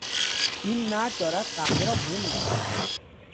این مرد دارد قهوه را بو میکند.